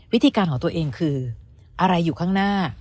วิธีการของตัวเองคืออะไรอยู่ข้างหน้า